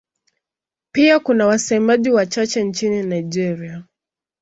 Pia kuna wasemaji wachache nchini Nigeria.